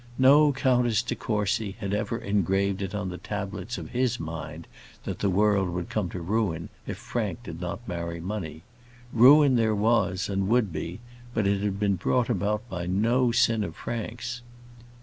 No Countess de Courcy had ever engraved it on the tablets of his mind that the world would come to ruin if Frank did not marry money. Ruin there was, and would be, but it had been brought about by no sin of Frank's.